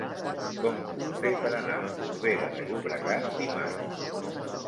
Com ho puc fer per anar a Corbera de Llobregat dimarts?